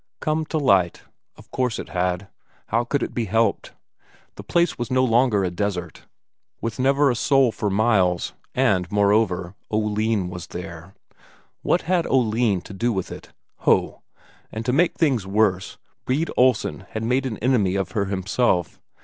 Come to light? Of course it had; how could it be helped? The place was no longer a desert, with never a soul for miles; and, moreover, Oline was there. What had Oline to do with it? Ho! and, to make things worse, Brede Olsen had made an enemy of her himself.